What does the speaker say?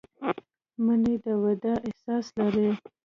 منی د وداع احساس لري